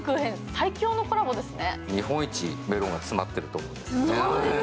最強のコラボですね。